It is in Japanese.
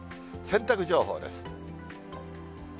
洗濯情報です。